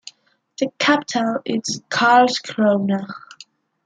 The capital is Karlskrona.